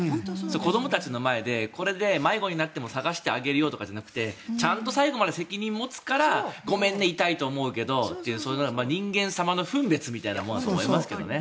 子どもたちの前でこれで迷子になっても捜してあげるよとかじゃなくてちゃんと最後まで責任持つからごめんね、痛いと思うけどって人間様の分別みたいなものだと思いますけどね。